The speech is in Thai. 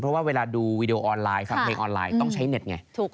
เพราะว่าเวลาดูวีดีโอออนไลน์ฟังเพลงออนไลน์ต้องใช้เน็ตไง